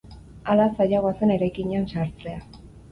Hala, zailagoa zen eraikinean sartzea.